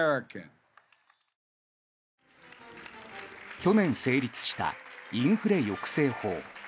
去年成立したインフレ抑制法。